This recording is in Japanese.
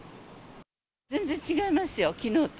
全然違いますよ、きのうと。